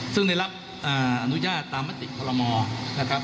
ซึ่งในรับอนุญาตรามติกธรรมน์นะครับ